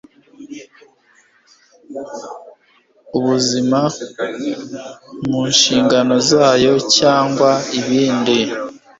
Ubuzima mu nshingano zayo cyangwa ibindi